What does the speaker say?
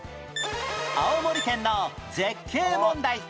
青森県の絶景問題